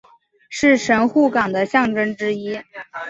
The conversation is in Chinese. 是神户港的象征之一。